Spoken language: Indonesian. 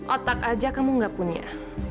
otak aja kamu gak punya